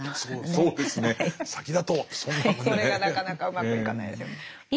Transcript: それがなかなかうまくいかないですよね。